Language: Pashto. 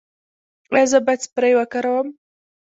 ایا زه باید سپری وکاروم؟